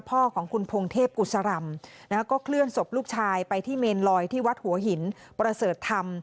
พ่อของคุณพงเทพกุศรำก็เคลื่อนศพลูกชายไปที่เมนลอยที่วัดหัวหินประเสริฐธรรม